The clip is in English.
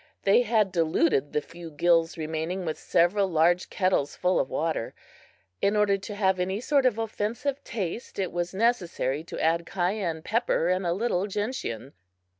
They had diluted the few gills remaining with several large kettles full of water. In order to have any sort of offensive taste, it was necessary to add cayenne pepper and a little gentian.